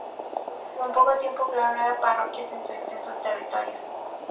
En poco tiempo creó nueve parroquias en su extenso territorio.